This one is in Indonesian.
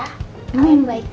kalian baik deh